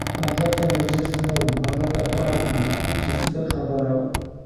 هغه ته نجس نه و، هغه ته پاک و چې څه خبره وه.